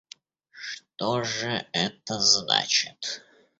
Что же это значит?